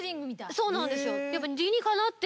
そうなんですよ。